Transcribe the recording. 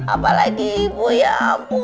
apalagi ibu ya ampun